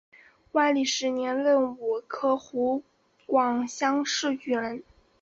万历十年壬午科湖广乡试举人。